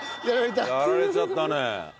やられちゃったね。